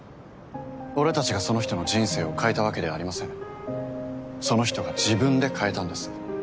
俺たちがその人の人生を変えたわけではありませんその人が自分で変えたんです。